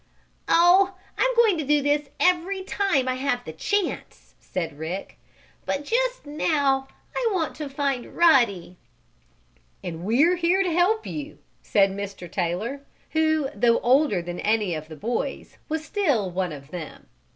"Oh, I'm going to do this every time I have the chance," said Rick. "But just now I want to find Ruddy." "And we're here to help you," said Mr. Taylor, who though older than any of the boys was still "one of them."